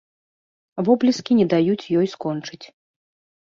Воплескі не даюць ёй скончыць.